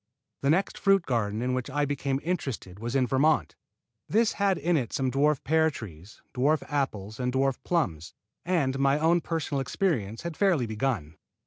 The next fruit garden in which I became interested was in Vermont. This had in it some dwarf pear trees, dwarf apples and dwarf plums, and my own personal experience had fairly begun.